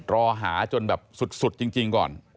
รอหาจนแบบสุดจริงก่อน